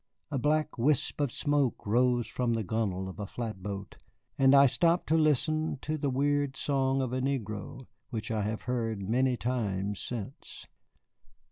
A black wisp of smoke rose from the gunwale of a flatboat, and I stopped to listen to the weird song of a negro, which I have heard many times since.